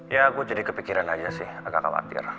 ya aku jadi kepikiran aja sih agak khawatir